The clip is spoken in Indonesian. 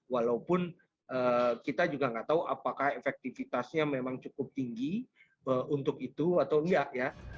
walaupun kita juga nggak tahu apakah efektivitasnya memang cukup tinggi untuk itu atau enggak ya